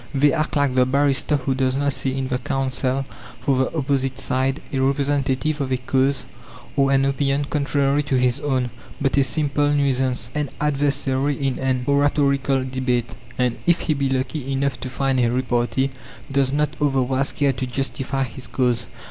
They act like the barrister who does not see in the counsel for the opposite side a representative of a cause, or an opinion contrary to his own, but a simple nuisance, an adversary in an oratorical debate; and if he be lucky enough to find a repartee, does not otherwise care to justify his cause.